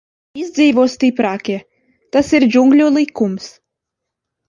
Izdzīvo stiprākie, tas ir džungļu likums.